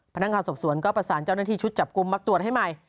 พนักงานสอบสวนก็ประสานเจ้าหน้าที่ชุดจับกลุ่มมาตรวจให้ใหม่